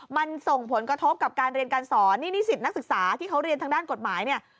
มันส่งผลกระทบกับการเรียนการสอนนี่นิสิตนักศึกษาที่เขาเรียนทางด้านกฎหมายเนี่ย